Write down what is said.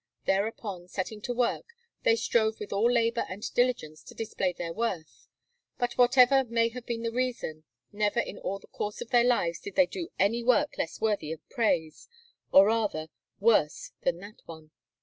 Thereupon, setting to work, they strove with all labour and diligence to display their worth; but, whatever may have been the reason, never in all the course of their lives did they do any work less worthy of praise, or rather, worse, than that one.